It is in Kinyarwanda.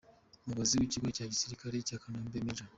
Umuyobozi w’ikigo cya Gisirikare cya Kanombe, Maj.